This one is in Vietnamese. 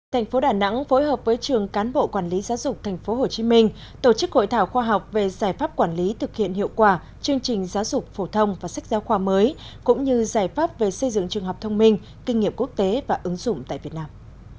thành phố đà nẵng phối hợp với trường cán bộ quản lý giáo dục tp hcm tổ chức hội thảo khoa học về giải pháp quản lý thực hiện hiệu quả chương trình giáo dục phổ thông và sách giáo khoa mới cũng như giải pháp về xây dựng trường học thông minh kinh nghiệm quốc tế và ứng dụng tại việt nam